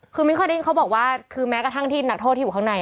คือมิ้นเคยได้ยินเขาบอกว่าคือแม้กระทั่งที่นักโทษที่อยู่ข้างใน